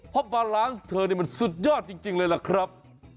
เพราะบาลานซ์เธอนี่มันสุดยอดจริงเลยล่ะครับ